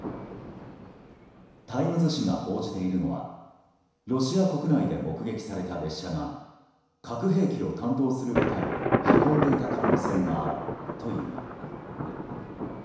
タイムズ紙が報じているのはロシア国内で目撃された列車が核兵器を担当する部隊を運んでいた可能性があるというもの。